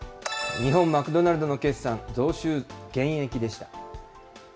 日本マクドナルドの決算、増収減益でした。